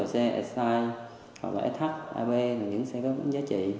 xe xi xh ab là những xe có giá trị